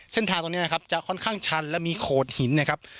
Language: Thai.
เส้นทางตรงนี้นะครับจะค่อนข้างชันและมีโขดหินนะครับ